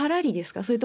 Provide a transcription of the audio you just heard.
それとも。